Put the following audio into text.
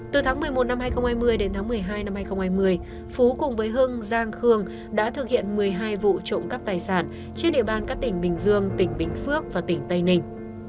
từ tháng một mươi một năm hai nghìn hai mươi đến tháng một mươi hai năm hai nghìn hai mươi phú cùng với hưng giang khương đã thực hiện một mươi hai vụ trộm cắp tài sản trên địa bàn các tỉnh bình dương tỉnh bình phước và tỉnh tây ninh